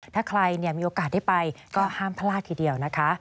ถ้าใครมีโอกาสได้ไปก็ห้ามพลาดทีเดียวนะคะ